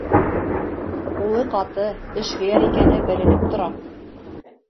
Ҡулы ҡаты, эшһөйәр икәне беленеп тора.